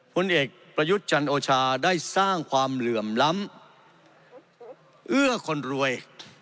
ผลเอกประยุทธ์จันโอชาได้สร้างความเหลื่อมล้ำเอื้อคนรวย